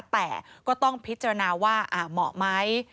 แต่ก็ต้องพิจารณาว่าเหมาะไหม